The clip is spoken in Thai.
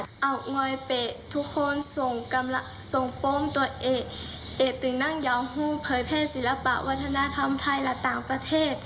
ขอบคุณทุกคนทุกคนส่งป้องตัวเอกเอกถึงนั่งยาวฮู้เผยเพศศิลปะวัฒนธรรมไทยและต่างประเทศ